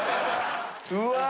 うわ！